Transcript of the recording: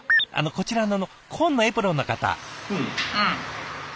こちらの紺のエプロンの方。